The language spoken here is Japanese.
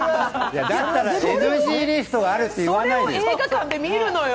だったらＮＧリストがあるって言わないでよ。